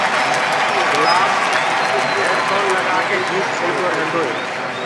گُلاب هيڊ ڦون لگآڪي گآنآ سُڻدو ريهندوئي